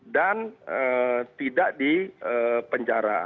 dan tidak di penjara